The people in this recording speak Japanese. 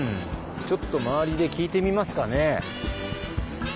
ちょっと周りで聞いてみますかね。